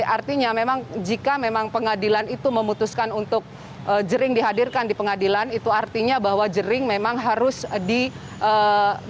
artinya memang jika memang pengadilan itu memutuskan untuk jering dihadirkan di pengadilan itu artinya bahwa jering memang harus diperhatikan